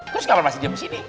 terus ngapain masih jam disini